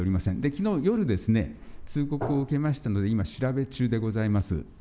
きのう夜ですね、通告を受けましたので、今、調べ中でございます。